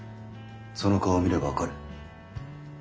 その顔を見れば分かる。